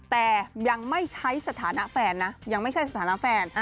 แต่ยังไม่ใช้สถานะแฟนนะยังไม่ใช่สถานะแฟน